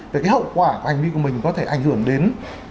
về cái hậu quả của hành vi của mình có thể ảnh hưởng đến